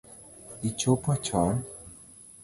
Ichopo choon?